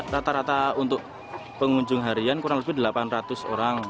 rata rata untuk pengunjung harian kurang lebih delapan ratus orang